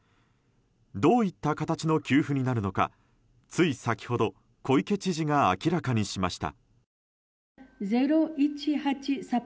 どういった形の給付になるのかつい先ほど小池知事が明らかにしました。